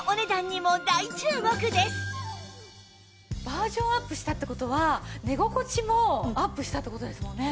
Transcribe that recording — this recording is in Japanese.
バージョンアップしたっていう事は寝心地もアップしたっていう事ですもんね。